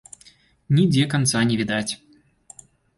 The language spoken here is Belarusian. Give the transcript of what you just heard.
Нідзе канца не відаць.